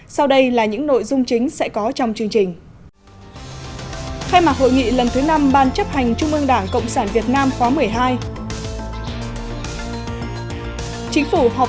sau đây là những nội dung chính sẽ có trong chương trình